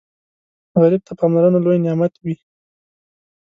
غریب ته پاملرنه لوی نعمت وي